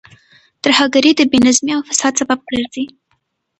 ترهګرۍ د بې نظمۍ او فساد سبب ګرځي.